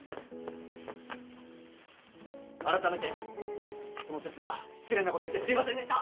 あらためてその節は失礼なこと言ってすいませんでした！